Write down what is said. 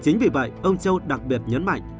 chính vì vậy ông châu đặc biệt nhấn mạnh